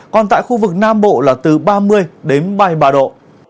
còn tại khu vực nam bộ là từ ba mươi đến ba mươi ba độ